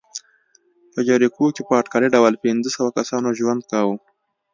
په جریکو کې په اټکلي ډول پنځه سوه کسانو ژوند کاوه.